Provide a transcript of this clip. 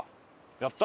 やったー！